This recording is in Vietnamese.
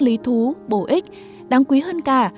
lý thú bổ ích đáng quý hơn cả